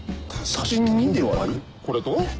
これと？